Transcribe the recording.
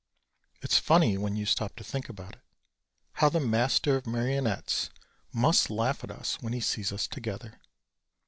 It's funny when you stop to think about it. How the Master of Marionettes must laugh at us when he sees us together.